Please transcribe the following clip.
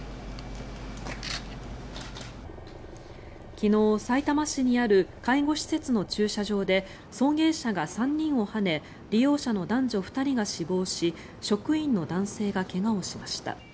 昨日、さいたま市にある介護施設の駐車場で送迎車が３人をはね利用者の男女２人が死亡し職員の男性が怪我をしました。